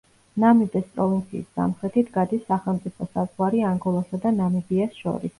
ნამიბეს პროვინციის სამხრეთით გადის სახელმწიფო საზღვარი ანგოლასა და ნამიბიას შორის.